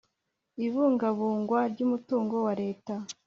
ibungabungwa ry umutungo wa Leta